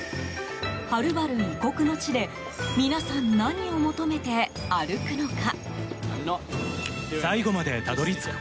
はるばる異国の地で皆さん、何を求めて歩くのか？